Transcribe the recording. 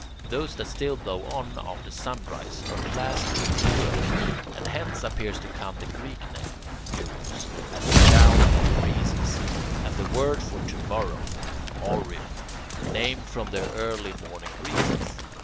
Those that still blow on after sunrise are classed with Eurus, and hence appears to come the Greek name [Greek: euros] as the child of the breezes, and the word for "to morrow," [Greek: aurion], named from the early morning breezes.